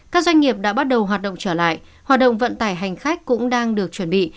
các doanh nghiệp đã bắt đầu hoạt động trở lại hoạt động vận tải hành khách cũng đang được chuẩn bị